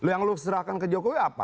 yang lo serahkan ke jokowi apa